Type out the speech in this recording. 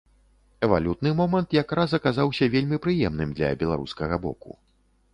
Валютны момант якраз аказаўся вельмі прыемным для беларускага боку.